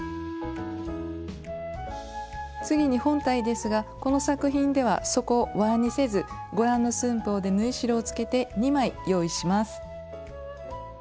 次に本体ですがこの作品では底をわにせずご覧の寸法で縫い代をつけて２枚用意します。